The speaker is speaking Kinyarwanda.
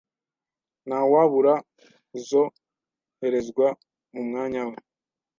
Ntawabura uzoherezwa mu mwanya we.